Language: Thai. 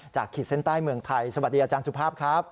ขีดเส้นใต้เมืองไทยสวัสดีอาจารย์สุภาพครับ